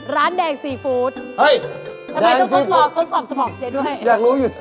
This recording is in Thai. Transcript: อยากรู้อยู่ตรงไหน